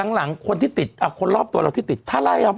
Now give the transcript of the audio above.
หลังคนที่ติดเอ้อคนรอบตัวเราที่ติดถ้าราย